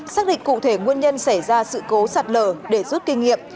xác định cụ thể nguyên nhân xảy ra sự cố sạt lở để rút kinh nghiệm